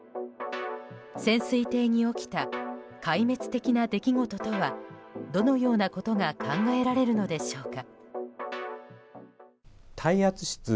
潜水艇に起きた壊滅的な出来事とはどのようなことが考えられるのでしょうか。